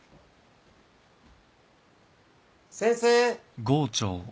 ・先生。